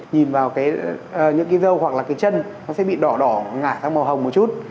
nhìn vào những cái dâu hoặc là cái chân nó sẽ bị đỏ đỏ ngả ra màu hồng một chút